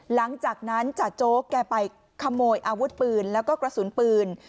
หลังจากนั้นจ่าโจ๊กแกไปขโมยอาวุธปืนแล้วก็กระสุนปืน